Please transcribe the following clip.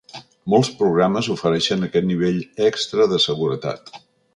Molts programes ofereixen aquest nivell extra de seguretat.